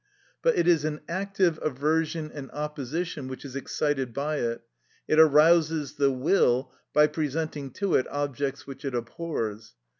But it is an active aversion and opposition which is excited by it; it arouses the will by presenting to it objects which it abhors.